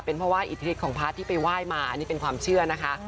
เป็นเพราะว่าอิทธิภาพของพระที่ไปไหว้มานี่เป็นความเชื่อนะคะ